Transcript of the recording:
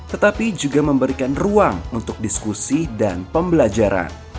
tetapi juga memberikan ruang untuk diskusi dan pembelajaran